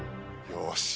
よし！